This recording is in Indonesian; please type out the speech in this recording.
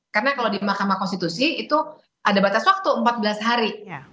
karena kalau di mk itu ada batas waktu empat belas hari